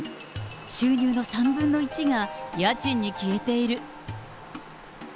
収入の３分の１が家賃に消えている。